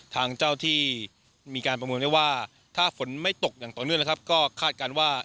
ทางเจ้าที่มีการประเมินได้ว่าถ้าฝนไม่ตกอย่างต่อเนื่องนะครับก็คาดการณ์ว่า